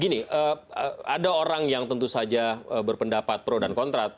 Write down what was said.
gini ada orang yang tentu saja berpendapat pro dan kontra